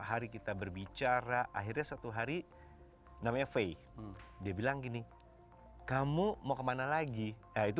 hari kita berbicara akhirnya satu hari namanya faye dia bilang gini kamu mau kemana lagi itu